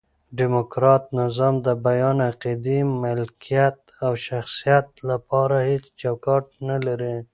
ډیموکرات نظام د بیان، عقیدې، ملکیت او شخصیت له پاره هيڅ چوکاټ نه لري.